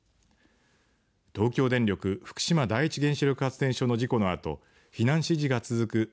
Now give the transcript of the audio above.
東京電力福島第一原子力発電所の事故のあと避難指示が続く